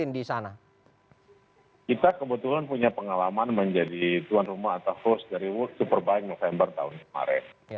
kita kebetulan punya pengalaman menjadi tuan rumah atau host dari world superbike november tahun kemarin